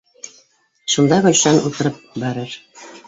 Шунда Гөлшан ултырып барыр